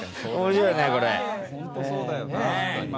本当そうだよな今。